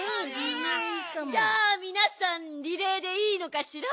じゃあみなさんリレーでいいのかしら？